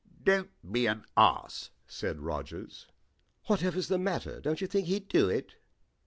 "Don't be an ass," said Rogers. "Whatever's the matter? Don't you think he'd do it?"